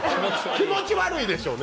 気持ち悪いでしょう！